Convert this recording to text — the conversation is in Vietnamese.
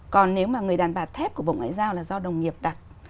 còn nếu mà người đàn bà thép của bộ ngoại giao là do đồng nghiệp đặt